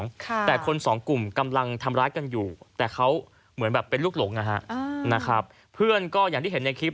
ค่ะแต่คนสองกลุ่มกำลังทำร้ายกันอยู่แต่เขาเหมือนแบบเป็นลูกหลงอ่ะฮะอ่านะครับเพื่อนก็อย่างที่เห็นในคลิป